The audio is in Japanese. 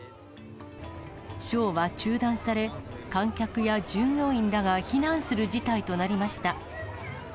ショーは中断され、観客や従業員らが避難する事態となりました。